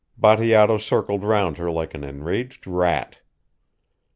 Bateato circled round her like an enraged rat.